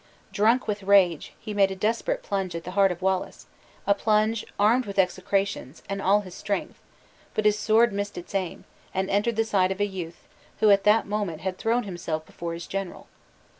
Drunk with rage, he made a desperate plunge at the heart of Wallace a plunge, armed with execrations, and all his strength; but his sword missed its aim, and entered the side of a youth, who at that moment had thrown himself before his general.